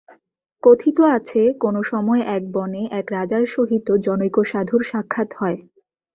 কথিত আছে, কোন সময়ে এক বনে এক রাজার সহিত জনৈক সাধুর সাক্ষাৎ হয়।